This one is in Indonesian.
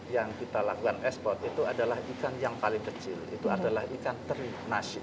yang kita lakukan ekspor itu adalah ikan yang paling kecil itu adalah ikan teri nasi